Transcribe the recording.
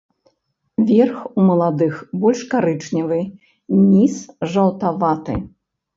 Верх у маладых больш карычневы, ніз жаўтаваты.